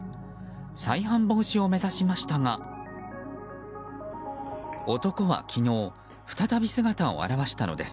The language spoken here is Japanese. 再犯防止を目指しましたが男は昨日、再び姿を現したのです。